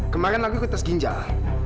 kemarin lagi aku tes ginjal